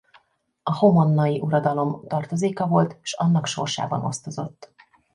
A homonnai uradalom tartozéka volt s annak sorsában osztozott.